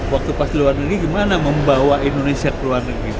waktu pas di luar negeri gimana membawa indonesia ke luar negeri